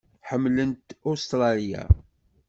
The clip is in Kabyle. Ḥemmlent Ustṛalya.